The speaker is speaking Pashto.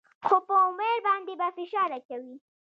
خو پر امیر باندې به فشار اچوي.